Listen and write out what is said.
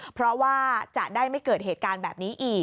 เพราะว่าจะได้ไม่เกิดเหตุการณ์แบบนี้อีก